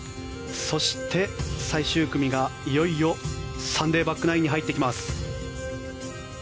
そして最終組がいよいよサンデーバックナインに入ってきます。